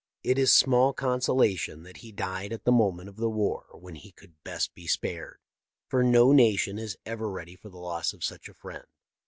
It is small consolation that he died at the moment of the war when he could best be spared, for no nation is ever ready for the loss of such a friend.